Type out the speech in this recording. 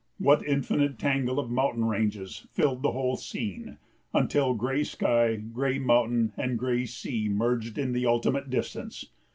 What infinite tangle of mountain ranges filled the whole scene, until gray sky, gray mountain, and gray sea merged in the ultimate distance!